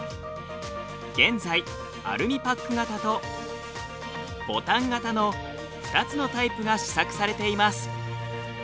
現在アルミパック型とボタン型の２つのタイプが試作されています。